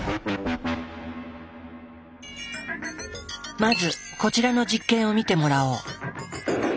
まずこちらの実験を見てもらおう。